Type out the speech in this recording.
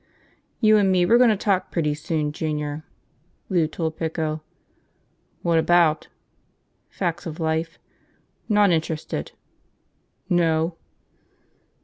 "You and me, we're gonna have a talk pretty soon, Junior," Lou told Pico. "What about?" "Facts of life." "Not interested." "No?"